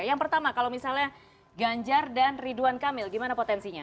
yang pertama kalau misalnya ganjar dan ridwan kamil gimana potensinya